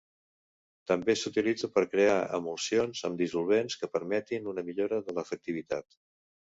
També s'utilitza per crear emulsions amb dissolvents que permetin una millora de l'efectivitat.